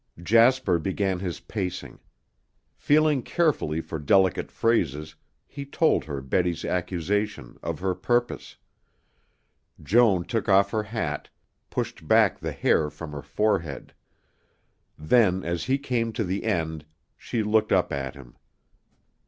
Jasper began his pacing. Feeling carefully for delicate phrases, he told her Betty's accusation, of her purpose. Joan took off her hat, pushed back the hair from her forehead; then, as he came to the end, she looked up at him.